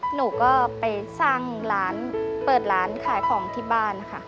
หนูก็ไปสร้างร้านเปิดร้านขายของที่บ้านค่ะ